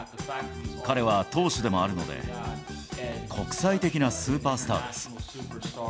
彼は投手でもあるので、国際的なスーパースターです。